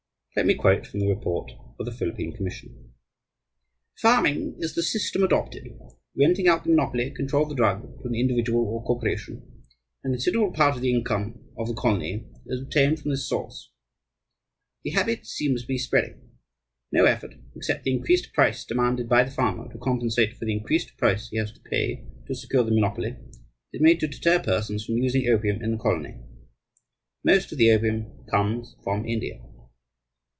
Let me quote from the report of the Philippine Commission: "Farming is the system adopted (renting out the monopoly control of the drug to an individual or a corporation) and a considerable part of the income of the colony is obtained from this source. The habit seems to be spreading. No effort except the increased price demanded by the farmer to compensate for the increased price he has to pay to secure the monopoly is made to deter persons from using opium in the colony. Most of the opium comes from India."